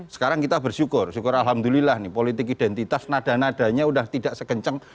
sekarang kita bersyukur syukur alhamdulillah nih politik identitas nada nadanya udah tidak sekencang dua ribu empat belas